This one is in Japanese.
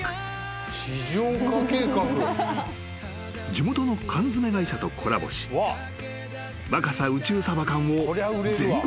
［地元の缶詰会社とコラボし若狭宇宙鯖缶を全国で発売］